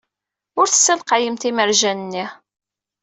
Ur tessalqyemt imerjan-nni.